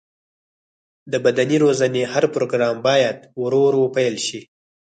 د بدني روزنې هر پروګرام باید ورو ورو پیل شي.